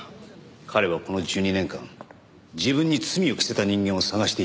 彼はこの１２年間自分に罪を着せた人間を捜していた。